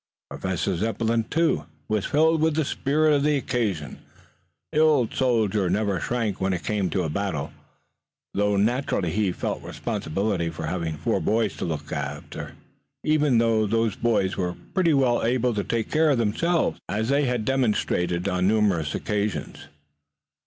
Professor Zepplin, too, was filled with the spirit of the occasion. The old soldier never shrank when it came to a battle, though naturally he felt the responsibility of having four boys to look after, even though those boys were pretty well able to take care of themselves, as they had demonstrated on numerous occasions.